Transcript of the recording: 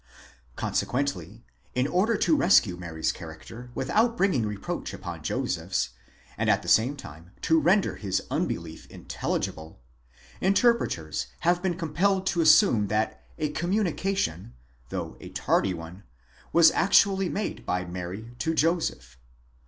Consequently, in order to rescue Mary's character, without bringing reproach upon Joseph's, and at the same time to render his unbelief intelli gible, interpreters have been compelled to assume that a communication, though a tardy one, was actually made by Mary to Joseph.